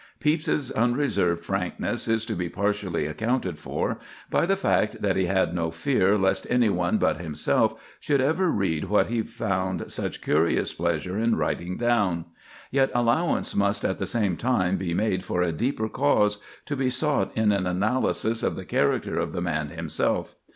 Pepys's unreserved frankness is to be partially accounted for by the fact that he had no fear lest any one but himself should ever read what he found such curious pleasure in writing down. Yet allowance must at the same time be made for a deeper cause, to be sought in an analysis of the character of the man himself.